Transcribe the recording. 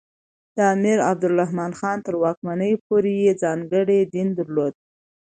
د امیر عبدالرحمان خان تر واکمنۍ پورې ځانګړی دین درلود.